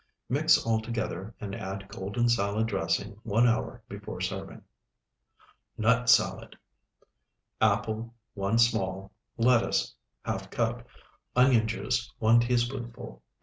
Mix all together, and add golden salad dressing one hour before serving. NUT SALAD Apple, 1 small. Lettuce, ½ cup. Onion juice, 1 teaspoonful.